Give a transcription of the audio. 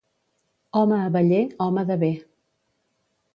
Home abeller, home de bé.